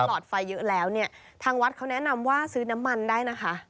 หลอดไฟเยอะแล้วเนี่ยทางวัดเขาแนะนำว่าซื้อน้ำมันได้นะคะ